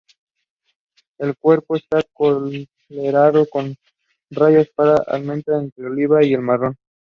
El cuerpo está coloreado con rayas que alternan entre el oliva y el marrón.